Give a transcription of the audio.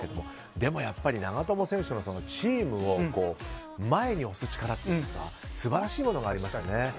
でもやっぱり長友選手の、チームを前に押す力というんですか素晴らしいものがありましたよね。